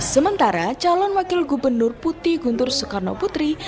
sementara calon wakil gubernur putih guntur soekarno putri